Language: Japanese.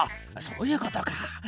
そういうことか。